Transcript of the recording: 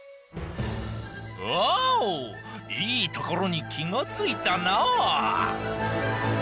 おういいところにきがついたな！